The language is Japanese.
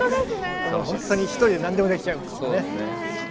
ほんとに１人で何でもできちゃいますもんね。